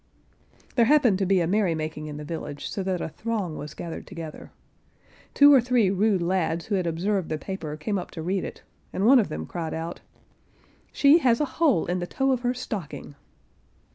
There happened to be a merry making in the village, so that a throng was gathered together. Two or three rude lads who had observed the paper came up to read it, and one of them cried out, "She has a hole in the toe of her stocking."